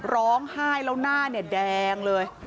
ร้องไห้แล้วหน้าเนี่ยแดงเลย